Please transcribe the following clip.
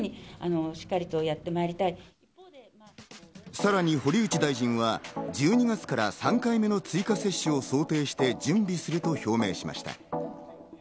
さらに堀内大臣は１２月から３回目の追加接種を想定して準備すると表明しました。